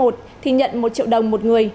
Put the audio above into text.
thì nhận một triệu đồng một người